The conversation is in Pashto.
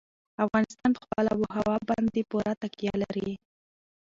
افغانستان په خپله آب وهوا باندې پوره تکیه لري.